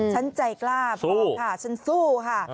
ฉันใจกล้าพอค่ะฉันสู้ค่ะ